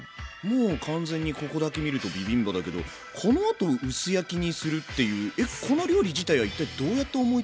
もう完全にここだけ見るとビビンバだけどこのあと薄焼きにするっていうえっこの料理自体は一体どうやって思いついたの？